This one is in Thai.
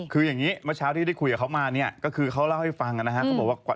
คืออย่างนี้เมื่อเช้าที่ได้คุยกับเขามาก็คือเขาเล่าให้ฟังก็บอกว่า